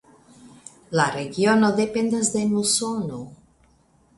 La regiono dependas de musono.